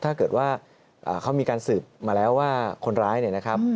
ถ้าเกิดว่าเขามีการสืบมาแล้วว่าคนร้ายเนี่ยนะครับ